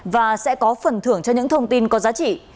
và sẽ có phần thưởng cho những thông tin có giá trị